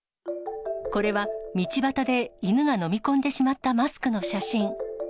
これは道端で犬が飲み込んでしまったマスクの写真。